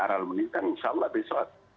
aral melintang insya allah besok